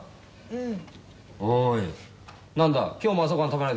うん。